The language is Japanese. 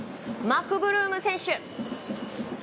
マクブルーム選手。